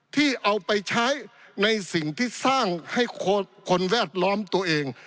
ที่เอาไปใช้ในสิ่งที่สร้างให้คนแวดล้อมตัวเอง